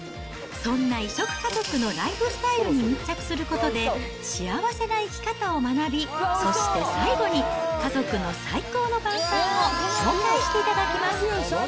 そんな異色家族のライフスタイルに密着することで、幸せな生き方を学び、そして最後に、家族の最高の晩さんを紹介していただきます。